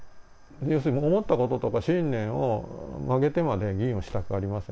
要するに思ったこととか信念を曲げてまで、議員をしたくありません。